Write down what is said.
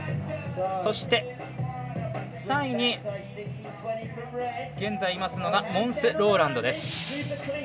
そして、３位に現在いますのがモンス・ローランドです。